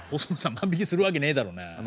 万引きするわけねえだろなあ。